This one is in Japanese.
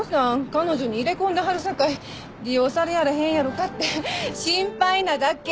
彼女に入れ込んではるさかい利用されはらへんやろかって心配なだけ！